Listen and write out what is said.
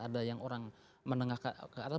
ada yang orang menengah